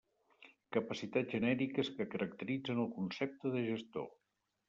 Capacitats genèriques que caracteritzen el concepte de gestor.